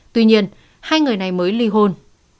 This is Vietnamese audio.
tuy nhiên hai người này mới ly hôn